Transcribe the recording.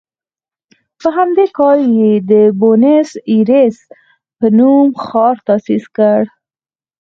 په همدې کال یې د بونیس ایرس په نوم ښار تاسیس کړ.